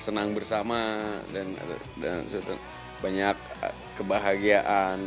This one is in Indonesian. senang bersama dan banyak kebahagiaan